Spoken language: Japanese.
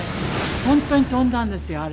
本当に飛んだんですよあれ。